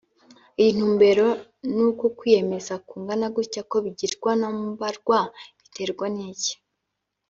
“iyi ntumbero n’uku kwiyemeza kungana gutya ko bigirwa na mbarwa biterwa n’iki